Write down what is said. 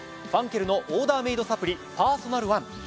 ファンケルのオーダーメイドサプリパーソナルワン。